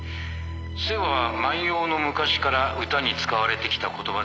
「背は万葉の昔から歌に使われてきた言葉でもあるし」